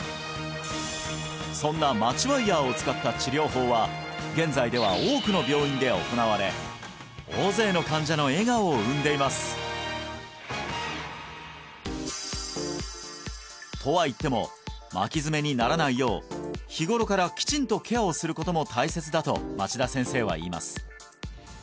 そんなマチワイヤーを使った治療法は現在では多くの病院で行われ大勢の患者の笑顔を生んでいますとはいっても巻き爪にならないよう日頃からきちんとケアをすることも大切だと町田先生は言います